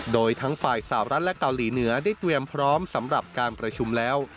โดยทั้งฝ่ายสาวรัฐและเกาหลีเหนือได้เตรียมพร้อมสำหรับการประชุมแล้ว